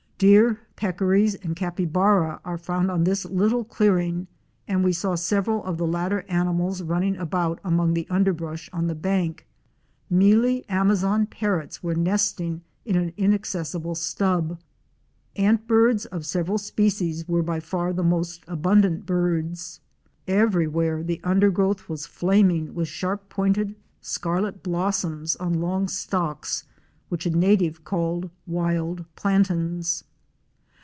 Deer, peccaries and capybara are found on this little clearing, and we saw several of the latter animals running about among the underbrush on the bank. Mealy Amazon Parrots * were nesting in an inaccessible stub. Ant birds of several species were by far the most abundant birds. Everywhere the undergrowth was flaming with sharp pointed scarlet blossoms on long stalks which a native called Wild Plantains.